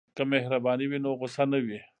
که مهرباني وي نو غوسه نه وي.